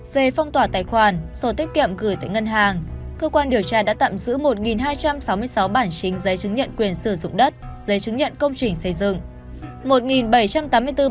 về phong tỏa tài khoản sổ tiết kiệm gửi tại ngân hàng cơ quan điều tra đã tạm giữ một hai trăm sáu mươi sáu bản chính giấy chứng nhận quyền sử dụng đất giấy chứng nhận công trình xây dựng